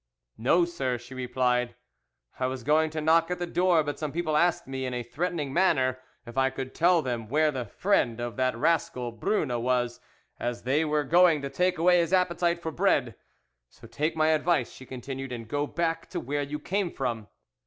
"'No, sir,' she replied; 'I was going to knock at the door, but some people asked me in a threatening manner if I could tell them where the friend of that rascal Brine was, as they were going to take away his appetite for bread. So take my advice,' she continued, 'and go back to where you came from.